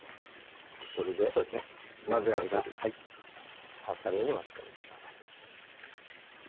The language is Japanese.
これで混ぜ合わせる全体が合わさるように混ぜておいてください